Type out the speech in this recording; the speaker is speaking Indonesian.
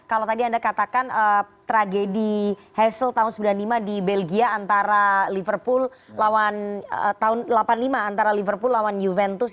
kalau tadi anda katakan tragedi hasel tahun seribu sembilan ratus sembilan puluh lima di belgia antara liverpool lawan tahun seribu sembilan ratus delapan puluh lima antara liverpool lawan juventus